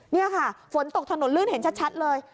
นี่ค่ะฝนตกถนนลื่นเห็นชัดเลย